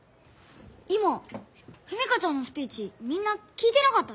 今史佳ちゃんのスピーチみんな聞いてなかったの？